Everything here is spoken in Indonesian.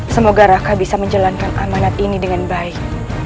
semoga raka bisa menjalankan amanat ini dengan baik